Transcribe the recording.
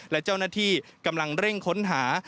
และเจ้าหน้าที่กำลังเร่งค้นหา